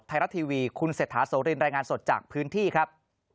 ไทยรัฐทีวีคุณเศรษฐาโสรินรายงานสดจากพื้นที่ครับ